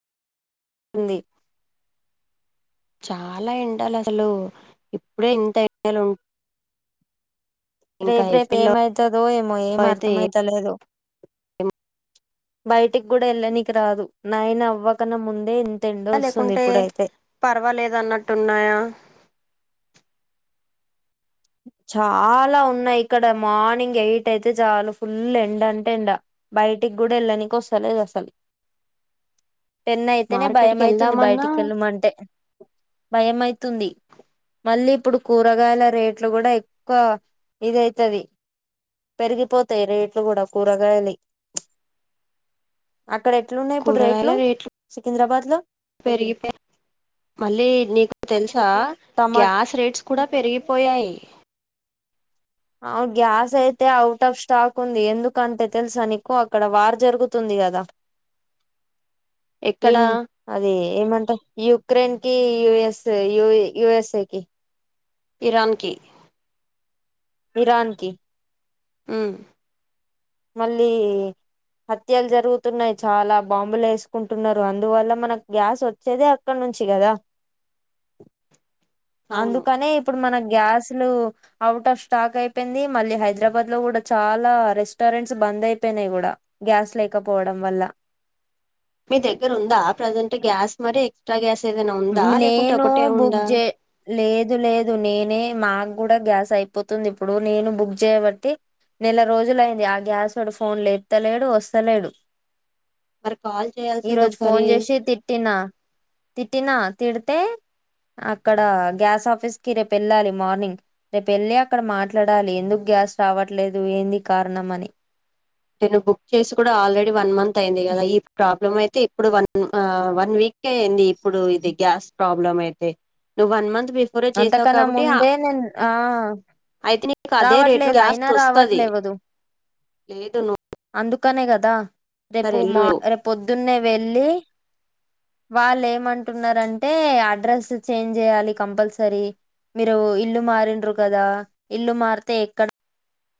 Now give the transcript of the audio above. ఉంది చాలా ఎండలు అసలు ఇప్పుడే ఇంత ఎండాలు ఉంటా రేపు రేపు ఏమవుతుదో ఏమో ఏం అయితే అర్థం అయితలేదు ఏం బయటికి కూడా వెళ్ళనికి రాదు నాయన అవ్వకన ముందే ఎండ వస్తుంది లేకుంటే ఇప్పుడైతే పర్వాలేదు అన్నట్టు ఉన్నాయా చాలా ఉన్నాయి ఇక్కడ మార్నింగ్ ఎయిట్ అయితే చాలు ఫుల్ ఎండ అంటే ఎండ బయటికి కూడా వెళ్ళడానికి వస్తలేదు అసలు టెన్ అయితేనే మార్కెట్ కి భయంమయితుంది వెళ్దామన్నా బయటికి వెళ్ళమ అంటే భయమవుతు తుంది మళ్ళీ ఇప్పుడు కూరగాయల రేట్ ట్లు కూడా ఎక్కువ ఇదైతది పెరిగిపోతాయి రేట్లు కూడా కూరగాయలి కూరగాయల రేట్లు సికింద్రాబాద్ లో పెరిగిపో మళ్ళీ నీకు తెలుసా టమాటా గ్యాస్ రేట్స్ కూడా పెరిగిపోయాయి గ్యాస్ అయితే అవుట్ ఆఫ్ స్టాక్ ఉంది ఎందుకంటే తెలుసా నీకు అక్కడ వార్ జరుగుతుంది గ ద ఎక్కడ ఇన్ అదే ఏమంటా యుక్రెన్ కి యుఎస్ యుఎస్ఏకి ఇరాన్కీ ఇరాన్ కి హు మళ్ళీ హత్యలు జరుగుతున్నాయి చాలా బాంబులు వేసుకుంటున్నారు అందువల్ల మనకు గ్యాస్ వచ్చేదే అక్కడ ను నుంచి గదా అవును అందుకనే ఇప్పుడు మన గ్యాస్లు అవుట్ ఆఫ్ స్టాక్ అయిపోయింది మళ్ళీ హైదరాబాద్ లో కూడా చాలా రెస్ట్ స్థా రెంట్స్ బంద్ అయిపోయినాయి కూడా గ్యాస్ లేకపోవడం వల్ల మీ దగ్గర ఉందా ప్రజెంట్ గ్యాస్ మరి ఎక్సట్రా గ్యాస్ ఏదైనా ఉందా లేకుంటే నేను ఒకటే బుక్ ఉందా చే లేదు లేదు నేనే మాన్ కూడా గ్యాస్ అయిపోతుంది ఇప్పుడు నేను బుక్ చేయబట్టి నెల రోజులయింది ఆ గ్యాస్లోడు ఫోన్లు ఎత్తలేడు వస్తలేడు మరి కాల్ చేయాల్సింది ఈరోజు ఫోన్ ఒకసారి చేసి తిట్టినా తిట్టినా తిడితే అక్కడ గ్యాస్ ఆఫీస్ కి రేపు వెళ్ళాలి మార్నింగ్ రేపు వెళ్ళి అక్కడ మాట్లాడాలి ఎందుకు గ్యాస్ రావట్లేదు ఏంది కారణంమని నేను బుక్ చేసి కూడా ఆల్రెడీ వన్ మంత్ అయింది కదా ఈ ప్రాప్ అయితే ఇప్పుడు వన్ వీక్ ఇప్పుడు ఇది గ్యాస్ ప్రాబ్లెమ్ అయితే నువ్వు వన్ మంత్ బిఫోర్ చేసావు అంతకన్నా కాబట్టి ముందే నేను ఆ అయితే నీకు అదే రేట్ లో రావట్లేదు జ్యాస్ అయినా వస్తుది రావట్లేవదు లేదు ను అందుకనే కదా రేపు మా రేపు పొద్దున్నే వెళ్ళి వాళ్ళు ఏమంటున్నారంటే అడ్రస్ చేంజ్ చేయాలి కంపల్సరీ సర మీరు ఇల్లు మారిండు కదా ఇల్లు మారితే ఎక్కడ